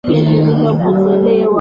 baina ya wabunge na rais hamid karzai